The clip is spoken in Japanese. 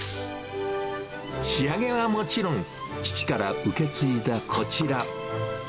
仕上げはもちろん、父から受け継いだこちら。